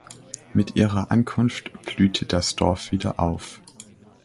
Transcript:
Mit ihrer Ankunft blühte das Dorf wieder auf.